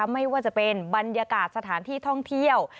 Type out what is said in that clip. ไม่ว่าจะเป็นบรรยากาศสถานที่ท่องเที่ยว